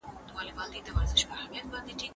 باطل لکه زوړ کالي داسي له منځه ځي.